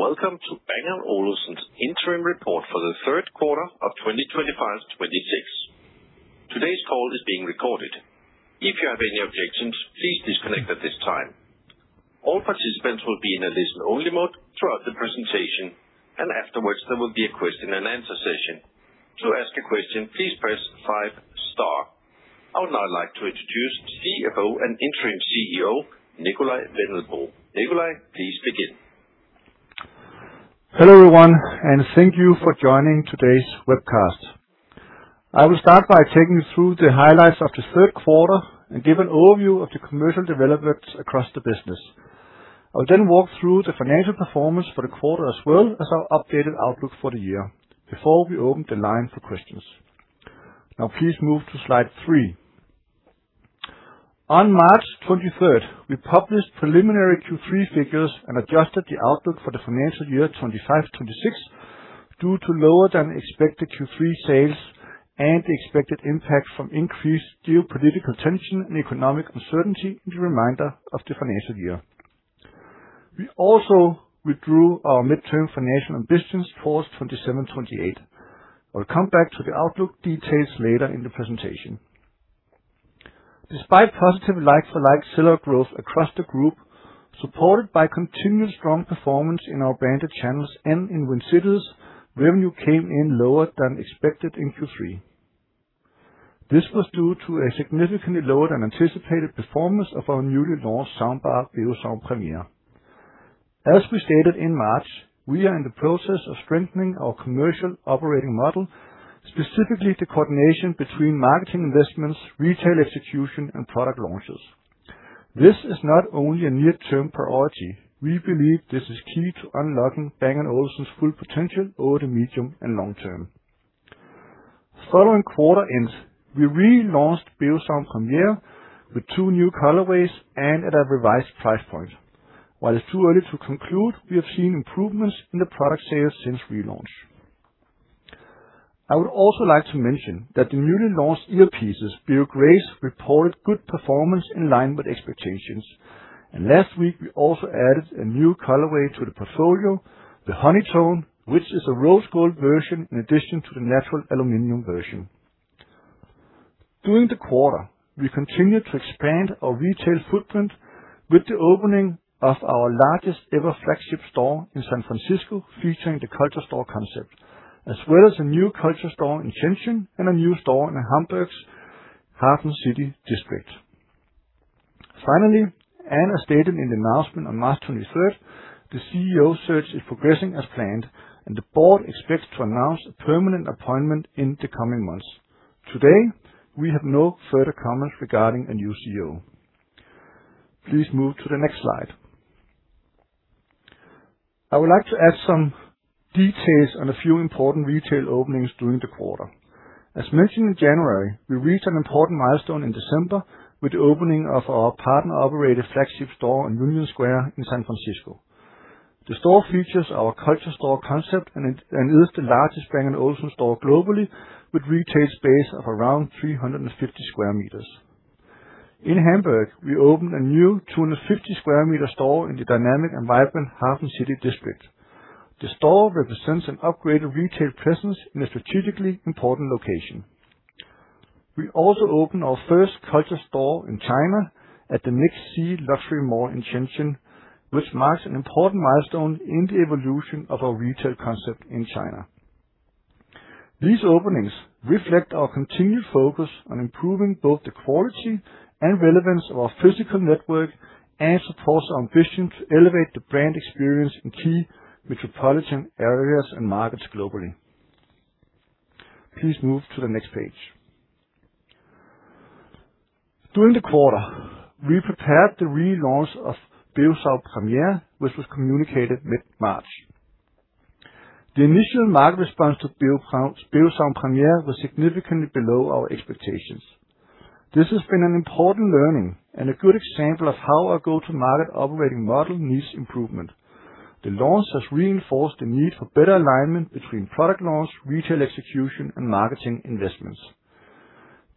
Welcome to Bang & Olufsen's interim report for the third quarter of 2025, 2026. Today's call is being recorded. If you have any objections, please disconnect at this time. All participants will be in a listen-only mode throughout the presentation, and afterwards there will be a question-and-answer session. To ask a question, please press five, star. I would now like to introduce CFO and Interim CEO, Nikolaj Wendelboe. Nikolaj, please begin. Hello, everyone, and thank you for joining today's webcast. I will start by taking you through the highlights of the third quarter and give an overview of the commercial developments across the business. I will then walk through the financial performance for the quarter as well as our updated outlook for the year before we open the line for questions. Now please move to slide three. On March 23rd, we published preliminary Q3 figures and adjusted the outlook for the financial year 2025, 2026 due to lower than expected Q3 sales and the expected impact from increased geopolitical tension and economic uncertainty in the remainder of the financial year. We also withdrew our midterm financial ambitions for 2027, 2028. I'll come back to the outlook details later in the presentation. Despite positive like-for-like sell-out growth across the group, supported by continued strong performance in our branded channels and in Win Cities, revenue came in lower than expected in Q3. This was due to a significantly lower than anticipated performance of our newly launched soundbar, Beosound Premiere. As we stated in March, we are in the process of strengthening our commercial operating model, specifically the coordination between marketing investments, retail execution, and product launches. This is not only a near-term priority, we believe this is key to unlocking Bang & Olufsen's full potential over the medium and long term. Following quarter end, we relaunched Beosound Premiere with two new colorways and at a revised price point. While it's too early to conclude, we have seen improvements in the product sales since relaunch. I would also like to mention that the newly launched earpieces, Beo Grace, reported good performance in line with expectations. Last week, we also added a new colorway to the portfolio, the Honey Tone, which is a rose gold version in addition to the Natural Aluminum version. During the quarter, we continued to expand our retail footprint with the opening of our largest ever flagship store in San Francisco, featuring the Culture Store concept, as well as a new Culture Store in Shenzhen and a new store in Hamburg's HafenCity district. Finally, and as stated in the announcement on March 23rd, the CEO search is progressing as planned and the board expects to announce a permanent appointment in the coming months. Today, we have no further comments regarding a new CEO. Please move to the next slide. I would like to add some details on a few important retail openings during the quarter. As mentioned in January, we reached an important milestone in December with the opening of our partner-operated flagship store on Union Square in San Francisco. The store features our Culture Store concept and is the largest Bang & Olufsen store globally with retail space of around 350 sq m. In Hamburg, we opened a new 250 sq m store in the dynamic and vibrant HafenCity district. The store represents an upgraded retail presence in a strategically important location. We also opened our first Culture Store in China at the MixC Luxury Mall in Shenzhen, which marks an important milestone in the evolution of our retail concept in China. These openings reflect our continued focus on improving both the quality and relevance of our physical network and supports our ambition to elevate the brand experience in key metropolitan areas and markets globally. Please move to the next page. During the quarter, we prepared the relaunch of Beosound Premiere, which was communicated mid-March. The initial market response to Beosound Premiere was significantly below our expectations. This has been an important learning and a good example of how our go-to-market operating model needs improvement. The launch has reinforced the need for better alignment between product launch, retail execution, and marketing investments.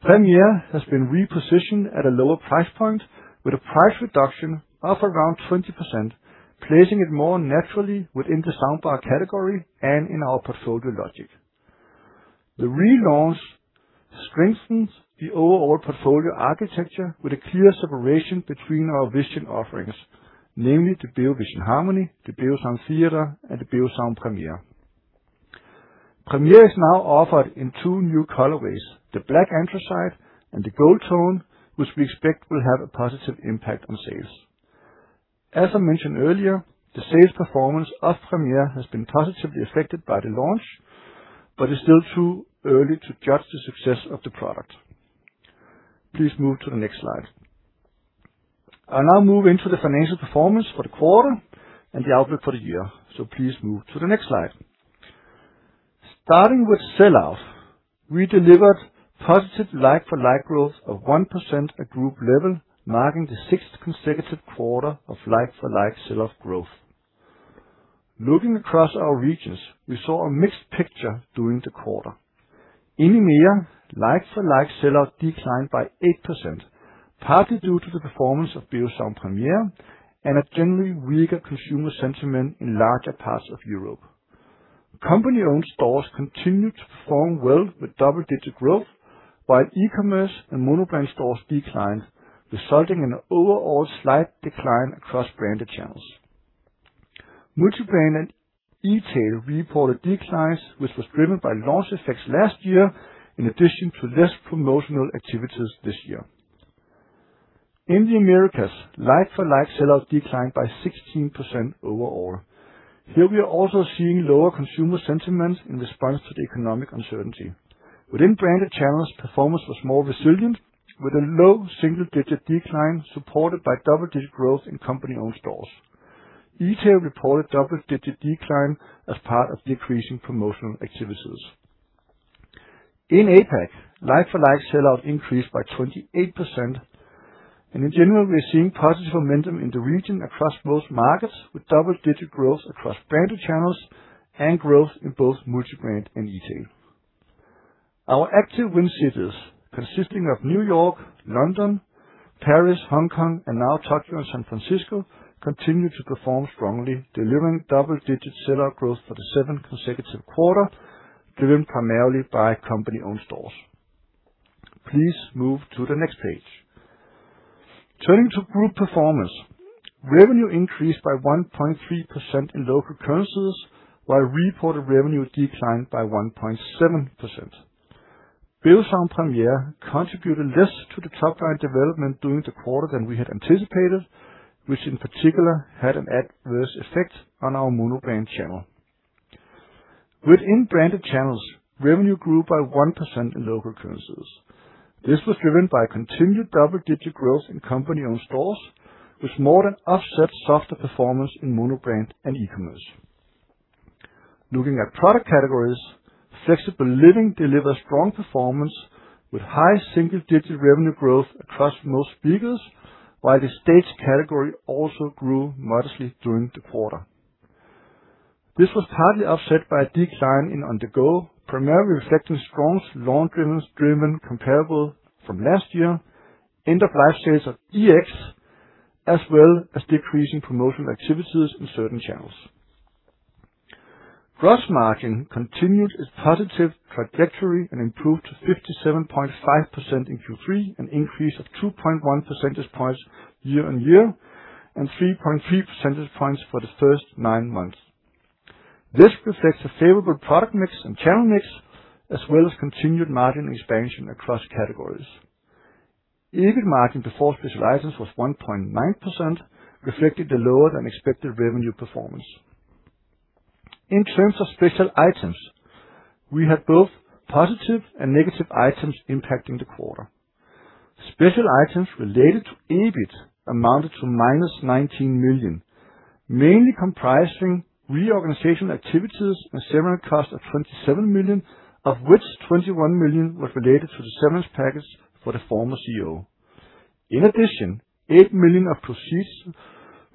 Premiere has been repositioned at a lower price point with a price reduction of around 20%, placing it more naturally within the soundbar category and in our portfolio logic. The relaunch strengthens the overall portfolio architecture with a clear separation between our vision offerings, namely the Beovision Harmony, the Beosound Theatre, and the Beosound Premiere. Premiere is now offered in two new colorways, the Black Anthracite and the Gold Tone, which we expect will have a positive impact on sales. As I mentioned earlier, the sales performance of Premiere has been positively affected by the launch, but it's still too early to judge the success of the product. Please move to the next slide. I'll now move into the financial performance for the quarter and the outlook for the year. Please move to the next slide. Starting with sell-out, we delivered positive like-for-like growth of 1% at group level, marking the sixth consecutive quarter of like-for-like sell-out growth. Looking across our regions, we saw a mixed picture during the quarter. In EMEA, like-for-like sell-out declined by 8%, partly due to the performance of Beosound Premiere and a generally weaker consumer sentiment in larger parts of Europe. The company-owned stores continued to perform well with double-digit growth, while e-commerce and mono-brand stores declined, resulting in an overall slight decline across branded channels. Multi-branded eTail reported declines, which was driven by launch effects last year, in addition to less promotional activities this year. In the Americas, like-for-like sell-out declined by 16% overall. Here we are also seeing lower consumer sentiment in response to the economic uncertainty. Within branded channels, performance was more resilient, with a low single-digit decline supported by double-digit growth in company-owned stores. eTail reported double-digit decline as part of decreasing promotional activities. In APAC, like-for-like sell-out increased by 28%, and in general, we are seeing positive momentum in the region across most markets, with double-digit growth across branded channels and growth in both multi-brand and eTail. Our active Win Cities, consisting of New York, London, Paris, Hong Kong, and now Tokyo and San Francisco, continue to perform strongly, delivering double-digit sell-out growth for the seventh consecutive quarter, driven primarily by company-owned stores. Please move to the next page. Turning to group performance. Revenue increased by 1.3% in local currencies, while reported revenue declined by 1.7%. Beosound Premiere contributed less to the top-line development during the quarter than we had anticipated, which in particular had an adverse effect on our mono-brand channel. Within branded channels, revenue grew by 1% in local currencies. This was driven by continued double-digit growth in company-owned stores, which more than offset softer performance in mono-brand and e-commerce. Looking at product categories, Flexible Living delivered strong performance with high single-digit revenue growth across most speakers, while the Staged category also grew modestly during the quarter. This was partly offset by a decline in On-the-go, primarily reflecting strong launch driven comparable from last year, end-of-life sales of EX, as well as decreasing promotional activities in certain channels. Gross margin continued its positive trajectory and improved to 57.5% in Q3, an increase of 2.1 percentage points year-on-year and 3.3 percentage points for the first nine months. This reflects a favorable product mix and channel mix, as well as continued margin expansion across categories. EBIT margin before special items was 1.9%, reflecting the lower-than-expected revenue performance. In terms of special items, we had both positive and negative items impacting the quarter. Special items related to EBIT amounted to -19 million, mainly comprising reorganization activities and severance costs of 27 million, of which 21 million was related to the severance package for the former CEO. In addition, 8 million of proceeds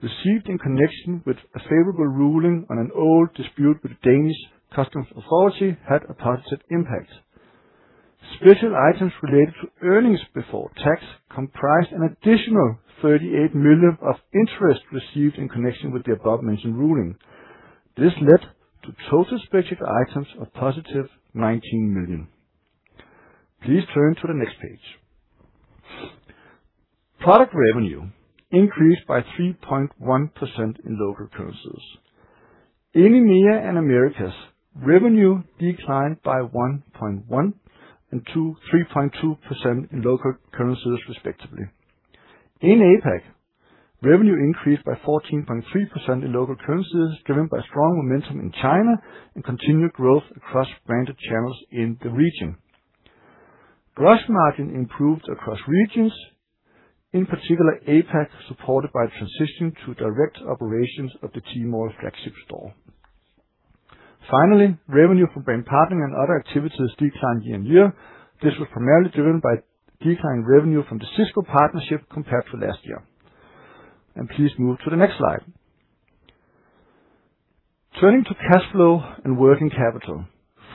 received in connection with a favorable ruling on an old dispute with the Danish Customs Authority had a positive impact. Special items related to earnings before tax comprised an additional 38 million of interest received in connection with the above-mentioned ruling. This led to total special items of positive 19 million. Please turn to the next page. Product revenue increased by 3.1% in local currencies. In EMEA and Americas, revenue declined by 1.1% and 3.2% in local currencies, respectively. In APAC, revenue increased by 14.3% in local currencies, driven by strong momentum in China and continued growth across branded channels in the region. Gross margin improved across regions, in particular APAC, supported by transition to direct operations of the Tmall flagship store. Finally, revenue from brand partnering and other activities declined year-on-year. This was primarily driven by declining revenue from the Cisco partnership compared to last year. Please move to the next slide. Turning to cash flow and working capital.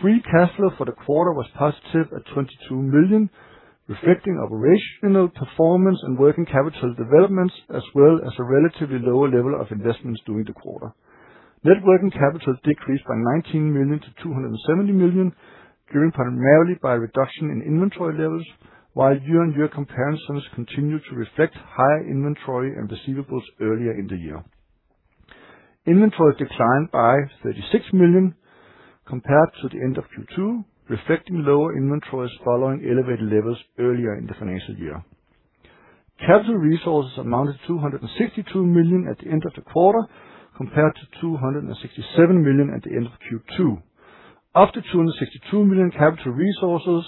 Free cash flow for the quarter was positive at 22 million, reflecting operational performance and working capital developments, as well as a relatively lower level of investments during the quarter. Net working capital decreased by 19 million to 270 million, driven primarily by a reduction in inventory levels, while year-on-year comparisons continued to reflect higher inventory and receivables earlier in the year. Inventories declined by 36 million compared to the end of Q2, reflecting lower inventories following elevated levels earlier in the financial year. Capital resources amounted to 262 million at the end of the quarter, compared to 267 million at the end of Q2. Of the 262 million capital resources,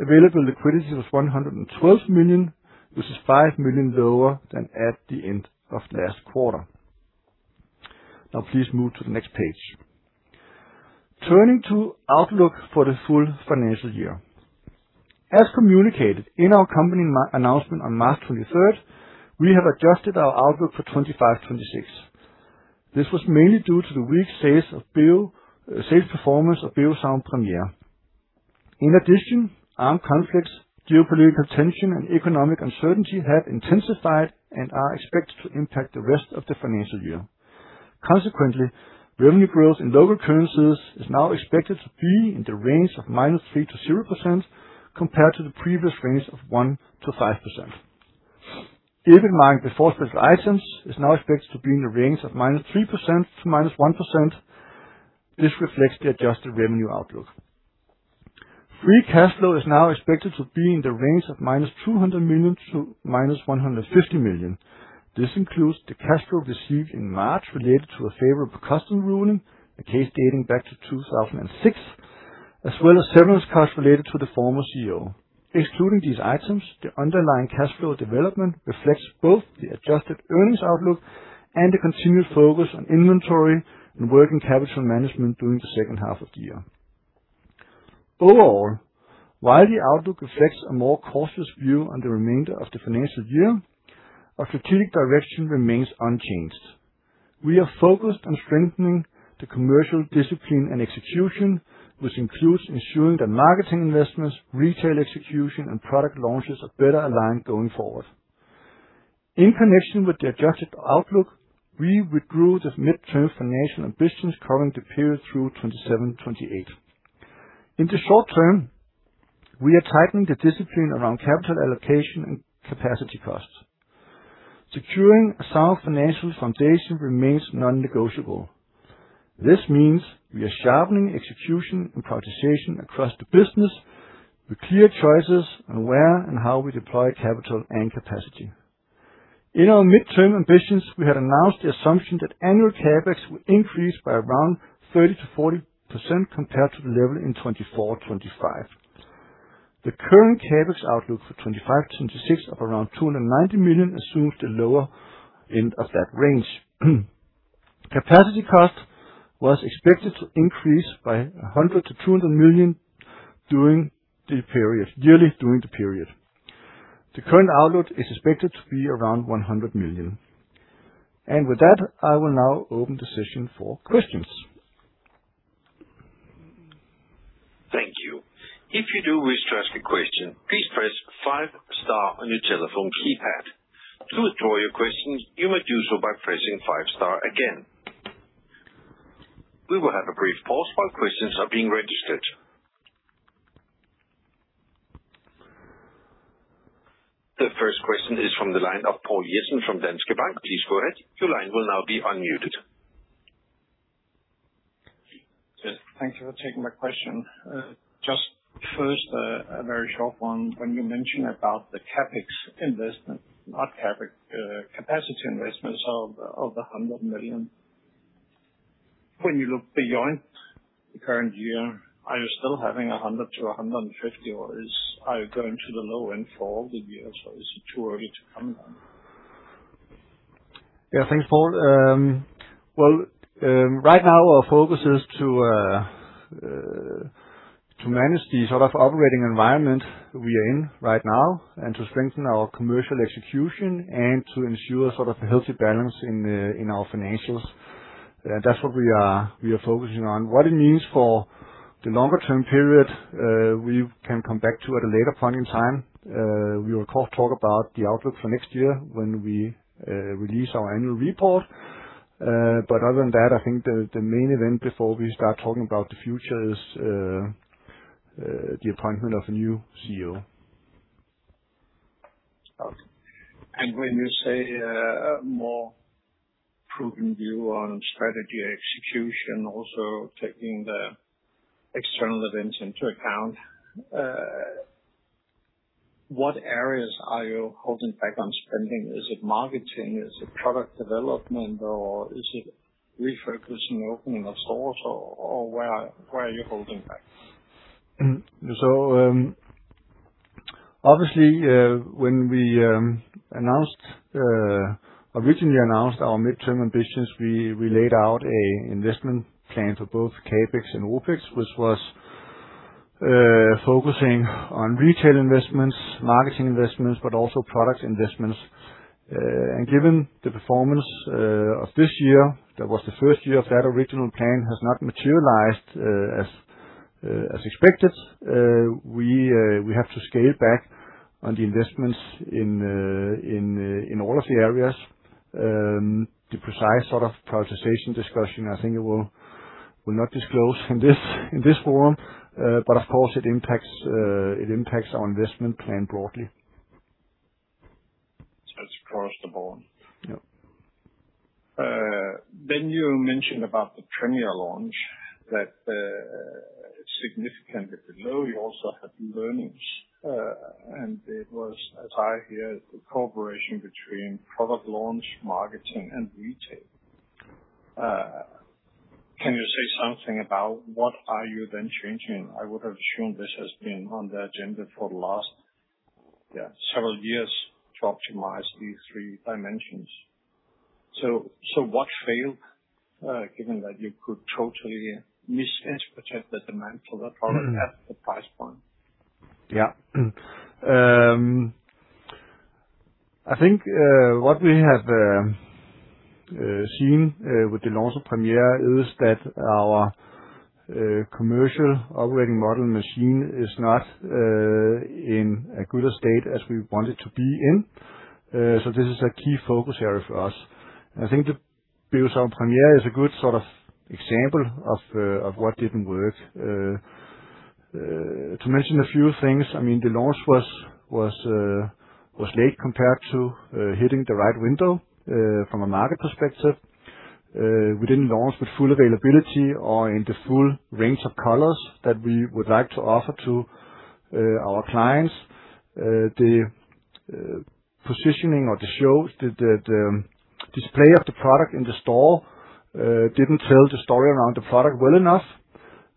available liquidity was 112 million, which is 5 million lower than at the end of last quarter. Now please move to the next page. Turning to outlook for the full financial year. As communicated in our company announcement on March 23rd, we have adjusted our outlook for 2025, 2026. This was mainly due to the weak sales performance of Beosound Premiere. In addition, armed conflicts, geopolitical tension, and economic uncertainty have intensified and are expected to impact the rest of the financial year. Consequently, revenue growth in local currencies is now expected to be in the range of -3%-0%, compared to the previous range of 1%-5%. EBITDA before special items is now expected to be in the range of -3% to -1%. This reflects the adjusted revenue outlook. Free cash flow is now expected to be in the range of -200 million to -150 million. This includes the cash flow received in March related to a favorable customs ruling, a case dating back to 2006, as well as severance costs related to the former CEO. Excluding these items, the underlying cash flow development reflects both the adjusted earnings outlook and the continued focus on inventory and working capital management during the second half of the year. Overall, while the outlook reflects a more cautious view on the remainder of the financial year, our strategic direction remains unchanged. We are focused on strengthening the commercial discipline and execution, which includes ensuring that marketing investments, retail execution, and product launches are better aligned going forward. In connection with the adjusted outlook, we withdrew the mid-term financial ambitions covering the period through 2027, 2028. In the short term, we are tightening the discipline around capital allocation and capacity costs. Securing a sound financial foundation remains non-negotiable. This means we are sharpening execution and prioritization across the business with clear choices on where and how we deploy capital and capacity. In our mid-term ambitions, we had announced the assumption that annual CapEx will increase by around 30%-40% compared to the level in 2024, 2025. The current CapEx outlook for 2025, 2026 of around 290 million assumes the lower end of that range. Capacity cost was expected to increase by 100 million-200 million yearly during the period. The current outlook is expected to be around 100 million. With that, I will now open the session for questions. Thank you, if you do wish to ask a question please press five, star in your telephone keypad. To withdraw your question, you may do so by pressing five, star again. We will have a brief pause while the questions are being registered. The first question is from the line of Poul Jessen from Danske Bank. Please go ahead. Your line will now be unmuted. Yes. Thank you for taking my question. Just first, a very short one. When you mention about the capacity investments of 100 million, when you look beyond the current year, are you still having 100 million-150 million, or are you going to the low end for the year? Is it too early to comment on? Yeah. Thanks, Poul. Well, right now our focus is to manage the operating environment we are in right now and to strengthen our commercial execution and to ensure a healthy balance in our financials. That's what we are focusing on. What it means for the longer term period, we can come back to at a later point in time. We will talk about the outlook for next year when we release our annual report. Other than that, I think the main event before we start talking about the future is the appointment of a new CEO. Okay. When you say a more proven view on strategy execution, also taking the external events into account, what areas are you holding back on spending? Is it marketing? Is it product development, or is it refocusing opening of stores, or where are you holding back? Obviously, when we originally announced our mid-term ambitions, we laid out an investment plan for both CapEx and OpEx, which was focusing on retail investments, marketing investments, but also product investments. Given the performance of this year, that was the first year of that original plan has not materialized as expected. We have to scale back on the investments in all of the areas. The precise prioritization discussion, I think I will not disclose in this forum, but of course, it impacts our investment plan broadly. It's across the board. Yep. You mentioned about the Premiere launch that was significantly below. You also had learnings, and it was, as I hear, the cooperation between product launch, marketing, and retail. Can you say something about what are you then changing? I would have assumed this has been on the agenda for a lot. Yeah, several years to optimize these three dimensions. What failed, given that you could totally misinterpret the demand for the product at the price point? Yeah. I think what we have seen with the launch of Premiere is that our commercial operating model machine is not in a good state as we want it to be in. This is a key focus area for us. I think the Beosound Premiere is a good sort of example of what didn't work. To mention a few things, I mean, the launch was late compared to hitting the right window from a market perspective. We didn't launch with full availability or in the full range of colors that we would like to offer to our clients. The positioning or the shows, the display of the product in the store, didn't tell the story around the product well enough.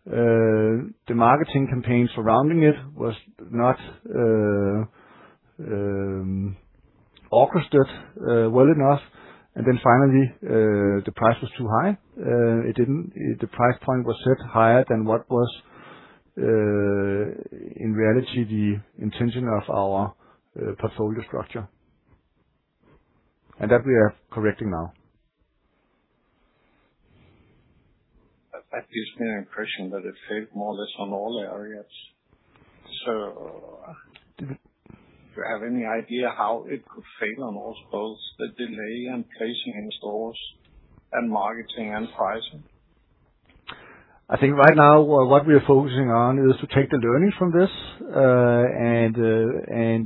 The marketing campaign surrounding it was not orchestrated well enough. Finally, the price was too high. The price point was set higher than what was, in reality, the intention of our portfolio structure. That we are correcting now. That gives me an impression that it failed more or less on all areas. Do you have any idea how it could fail on all those, the delay and placing in stores and marketing and pricing? I think right now what we're focusing on is to take the learnings from this and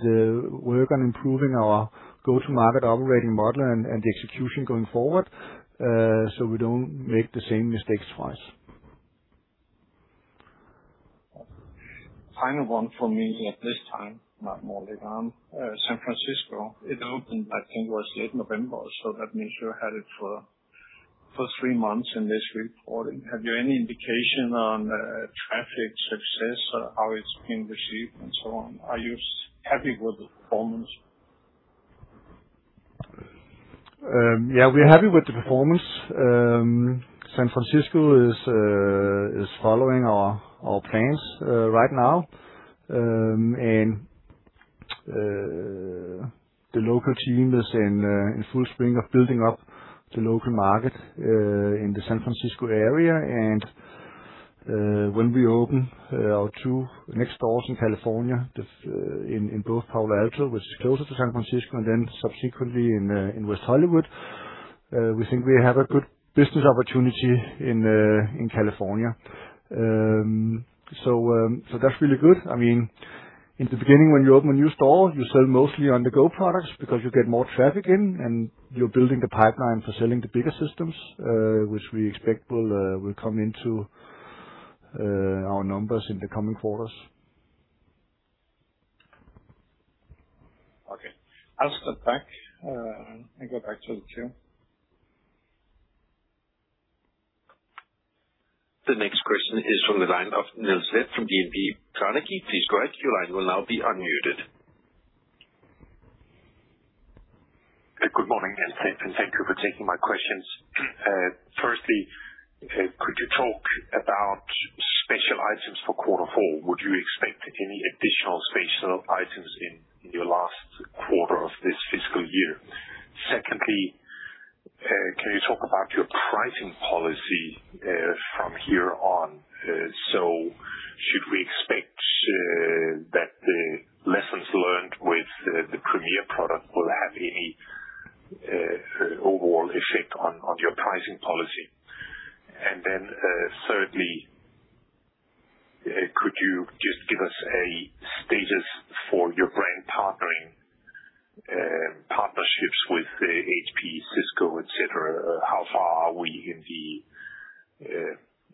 work on improving our go-to-market operating model and the execution going forward, so we don't make the same mistakes twice. Final one for me at this time, not moving on. San Francisco, it opened, I think it was the 8th November, so that means you had it for three months in this reporting. Have you any indication on traffic success, how it's being received and so on? Are you happy with the performance? Yeah, we're happy with the performance. San Francisco is following our plans right now. The local team is in full swing of building up the local market, in the San Francisco area. When we open our two next stores in California, in both Palo Alto, which is closer to San Francisco, and then subsequently in West Hollywood, we think we have a good business opportunity in California. That's really good. I mean, in the beginning, when you open a new store, you sell mostly on-the-go products because you get more traffic in and you're building the pipeline for selling the bigger systems, which we expect will come into our numbers in the coming quarters. Okay. I'll step back, and go back to the queue. The next question is from the line of Niels Leth from DNB Carnegie. Please go ahead, your line will now be unmuted. Good morning, and thank you for taking my questions. Firstly, could you talk about special items for quarter four? Would you expect any additional special items in your last quarter of this fiscal year? Secondly, can you talk about your pricing policy from here on? Should we expect that the lessons learned with the Premiere product will have any overall effect on your pricing policy? Thirdly, could you just give us a status for your brand partnering, partnerships with HP, Cisco, et cetera? How far are we in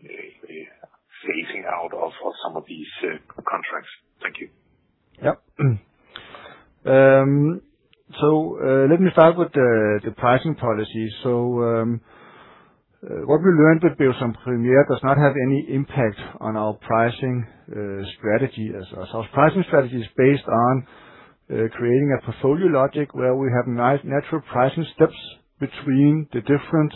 the phasing out of some of these contracts? Thank you. Yep. Let me start with the pricing policy. What we learned with Beosound Premiere does not have any impact on our pricing strategy as such. Our pricing strategy is based on creating a portfolio logic where we have nice natural pricing steps between the different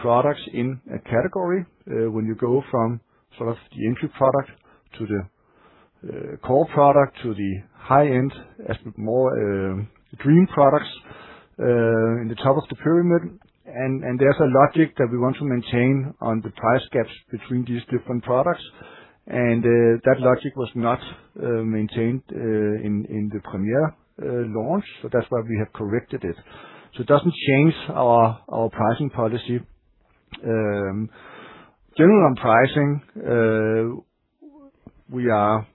products in a category. When you go from sort of the entry product to the core product to the high-end, more dream products in the top of the pyramid. There's a logic that we want to maintain on the price gaps between these different products. That logic was not maintained in the Premiere launch. That's why we have corrected it. It doesn't change our pricing policy. Generally, on pricing, we are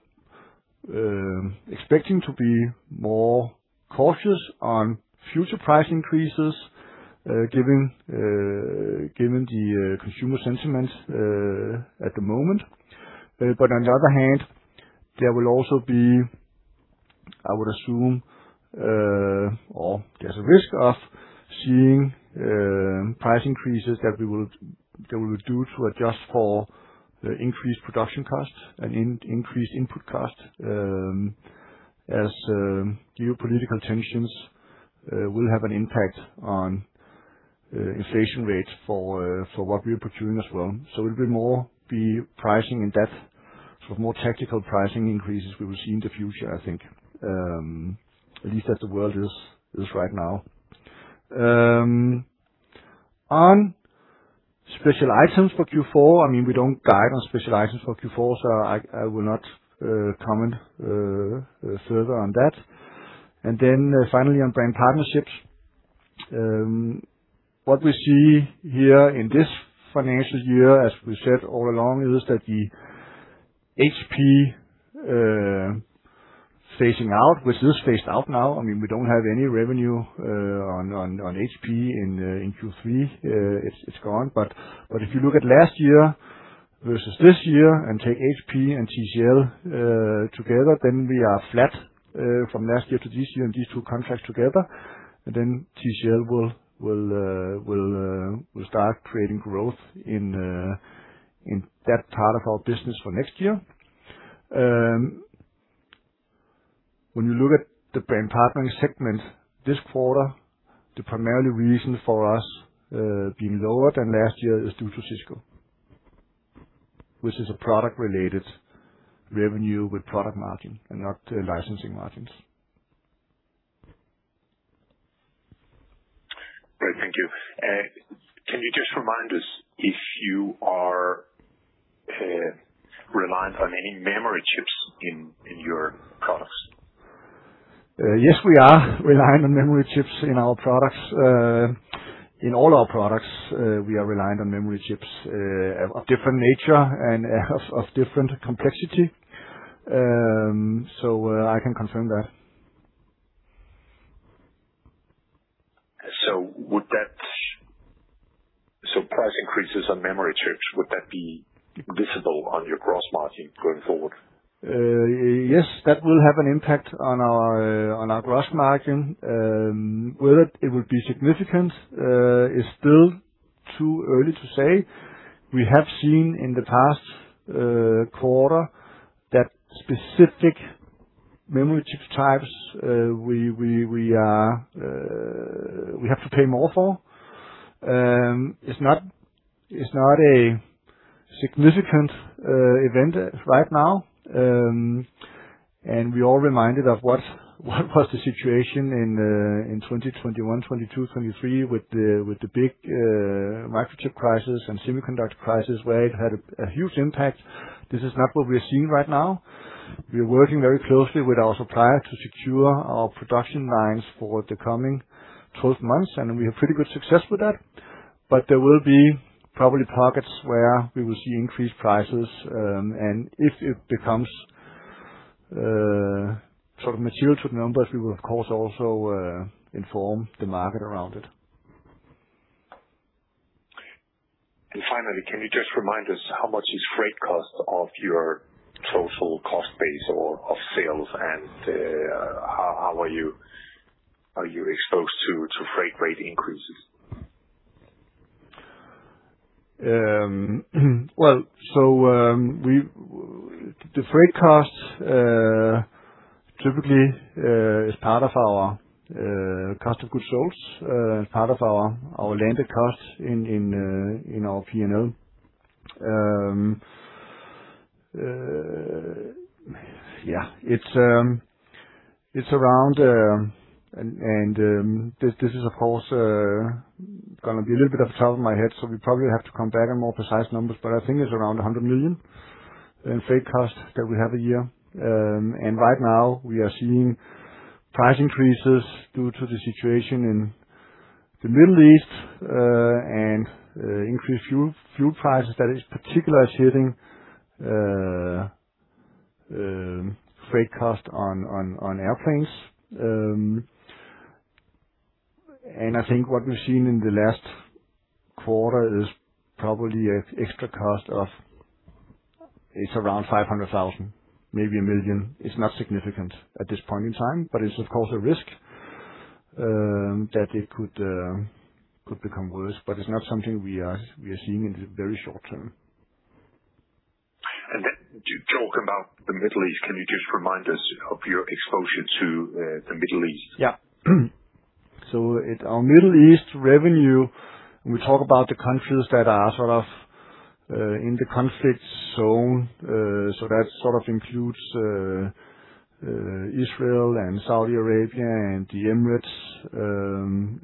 expecting to be more cautious on future price increases given the consumer sentiments at the moment. On the other hand, there will also be, I would assume, or there's a risk of seeing price increases that we will do to adjust for the increased production cost and increased input cost, as geopolitical tensions will have an impact on inflation rates for what we procure as well. It will be more pricing in depth, sort of more tactical pricing increases we will see in the future, I think. At least as the world is right now. On special items for Q4, we don't guide on special items for Q4, so I will not comment further on that. Then finally on brand partnerships. What we see here in this financial year, as we said all along, is that the HP phasing out, which is phased out now. We don't have any revenue on HP in Q3. It's gone. If you look at last year versus this year and take HP and TCL together, then we are flat from last year to this year on these two contracts together. Then TCL will start creating growth in that part of our business for next year. When you look at the brand partnering segment this quarter, the primary reason for us being lower than last year is due to Cisco, which is a product-related revenue with product margin and not licensing margins. Great, thank you. Can you just remind us if you are reliant on any memory chips in your products? Yes, we are reliant on memory chips in our products. In all our products, we are reliant on memory chips of different nature and of different complexity. I can confirm that. Price increases on memory chips, would that be visible on your gross margin going forward? Yes, that will have an impact on our gross margin. Whether it will be significant, is still too early to say. We have seen in the past quarter that specific memory chip types, we have to pay more for. It's not a significant event right now. We're all reminded of what was the situation in 2021, 2022, 2023 with the big microchip crisis and semiconductor crisis, where it had a huge impact. This is not what we are seeing right now. We are working very closely with our supplier to secure our production lines for the coming 12 months, and we have pretty good success with that. There will be probably pockets where we will see increased prices, and if it becomes material to the numbers, we will of course also inform the market around it. Finally, can you just remind us how much is freight cost of your total cost base or of sales, and how are you exposed to freight rate increases? Well, the freight cost typically is part of our cost of goods sold, part of our landed cost in our P&L. Yeah. This is, of course, going to be a little bit off the top of my head, so we probably have to come back on more precise numbers, but I think it's around 100 million in freight costs that we have a year. Right now we are seeing price increases due to the situation in the Middle East, and increased fuel prices that is particularly hitting freight cost on airplanes. I think what we've seen in the last quarter is probably an extra cost of around 500,000, maybe 1 million. It's not significant at this point in time, but it's of course a risk that it could become worse. It's not something we are seeing in the very short term. To talk about the Middle East, can you just remind us of your exposure to the Middle East? Yeah. Our Middle East revenue, we talk about the countries that are sort of in the conflict zone. That sort of includes Israel and Saudi Arabia and the Emirates,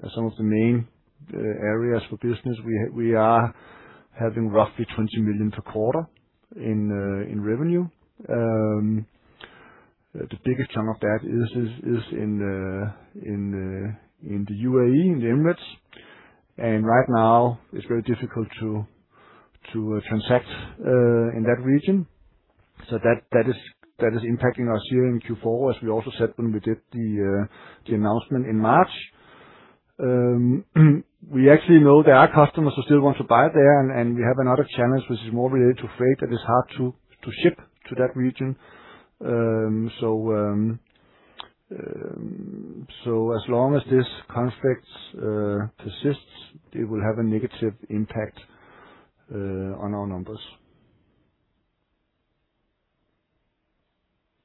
as some of the main areas for business. We are having roughly 20 million per quarter in revenue. The biggest chunk of that is in the UAE, in the Emirates. Right now it's very difficult to transact in that region. That is impacting us here in Q4, as we also said when we did the announcement in March. We actually know there are customers who still want to buy there, and we have another challenge which is more related to freight, that it's hard to ship to that region. As long as this conflict persists, it will have a negative impact on our numbers.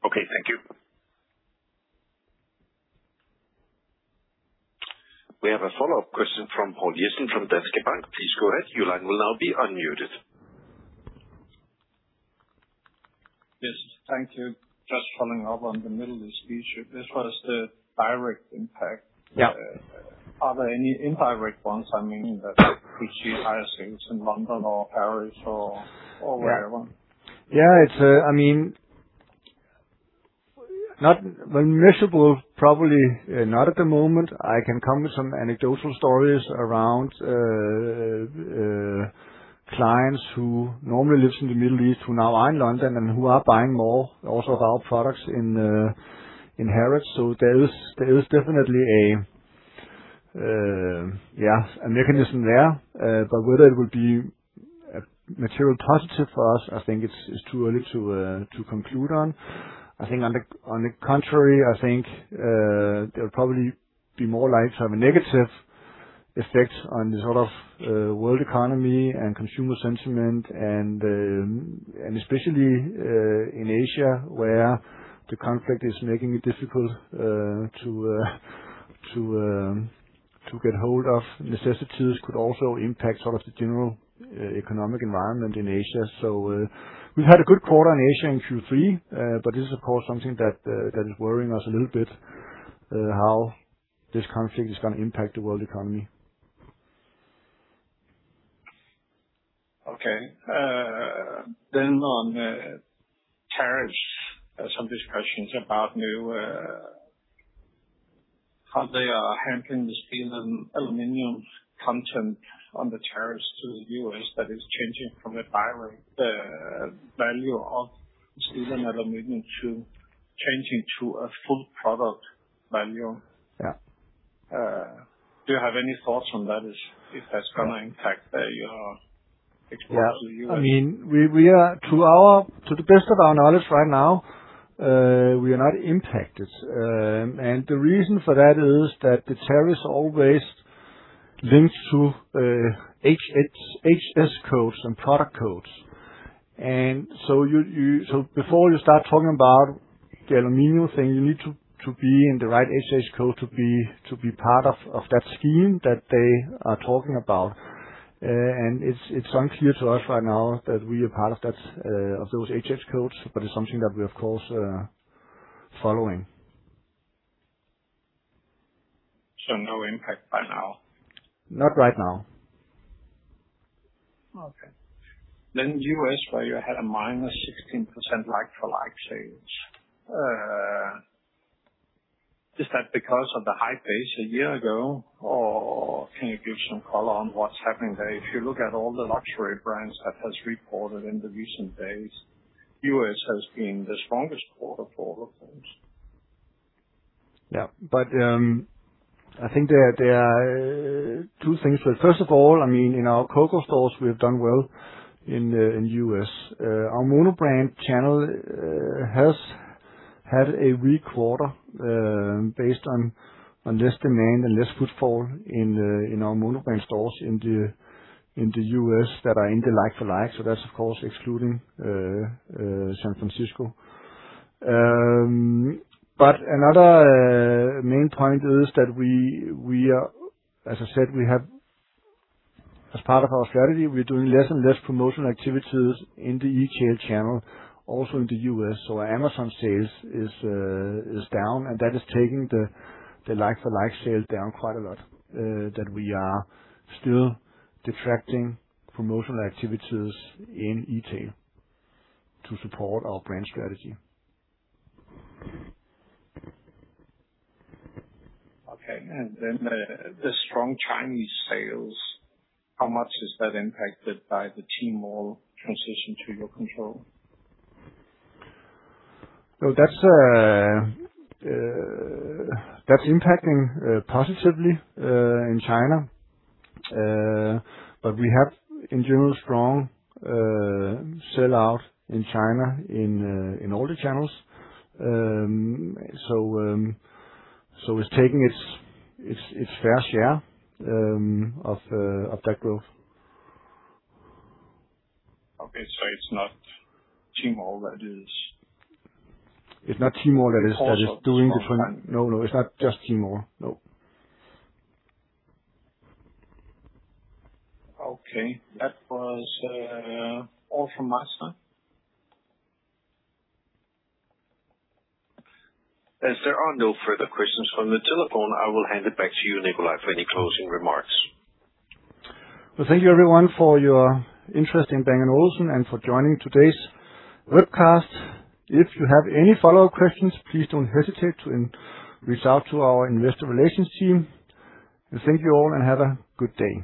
Okay, thank you. We have a follow-up question from Poul Jessen from Danske Bank. Please go ahead. Your line will now be unmuted. Yes, thank you. Just following up on the Middle East issue. This was the direct impact. Yeah. Are there any indirect ones? I mean that could see higher sales in London or Paris or wherever? Yeah. Measurable, probably not at the moment. I can come with some anecdotal stories around clients who normally live in the Middle East who now are in London and who are buying more also of our products in Harrods. There is definitely a mechanism there. Whether it would be a material positive for us, I think it's too early to conclude on. On the contrary, I think they'll probably be more likely to have a negative effect on the world economy and consumer sentiment and especially in Asia, where the conflict is making it difficult to get hold of necessities, could also impact sort of the general economic environment in Asia. We've had a good quarter in Asia in Q3. This is of course, something that is worrying us a little bit, how this conflict is going to impact the world economy. Okay. On tariffs, some discussions about how they are handling the steel and aluminum content on the tariffs to the U.S. that is changing from the value of steel and aluminum to changing to a full product value. Yeah. Do you have any thoughts on that, if that's going to impact your exports to the U.S.? To the best of our knowledge right now, we are not impacted. The reason for that is that the tariffs always links to HS codes and product codes. Before you start talking about the aluminum thing, you need to be in the right HS code to be part of that scheme that they are talking about. It's unclear to us right now that we are part of those HS codes, but it's something that we, of course, are following. No impact by now? Not right now. Okay. U.S., where you had a -16% like-for-like sales. Is that because of the high base a year ago, or can you give some color on what's happening there? If you look at all the luxury brands that has reported in the recent days, U.S. has been the strongest quarter for all of them. Yeah, I think there are two things. First of all, in our CoCo stores, we have done well in U.S. Our monobrand channel has had a weak quarter, based on less demand and less footfall in our monobrand stores in the U.S. that are in the like-for-like. That's of course excluding San Francisco. Another main point is that, as I said, as part of our strategy, we're doing less and less promotional activities in the eTail channel, also in the U.S. Our Amazon sales is down, and that is taking the like-for-like sales down quite a lot, that we are still retracting promotional activities in eTail to support our brand strategy. Okay. The strong Chinese sales, how much is that impacted by the Tmall transition to your control? That's impacting positively in China. We have in general strong sell-out in China in all the channels. It's taking its fair share of that growth. Okay, it's not Tmall. It's not Tmall that is doing this one. No, it's not just Tmall, no. Okay. That was all from my side. As there are no further questions from the telephone, I will hand it back to you, Nikolaj, for any closing remarks. Well, thank you everyone for your interest in Bang & Olufsen and for joining today's webcast. If you have any follow-up questions, please don't hesitate to reach out to our Investor Relations team. Thank you all, and have a good day.